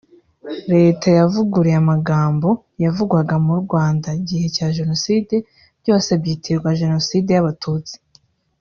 Leta yavuguruye amagambo yavugwaga mu Rwanda mu gihe cya Genocide byose byitirirwa Genocide y’abatutsi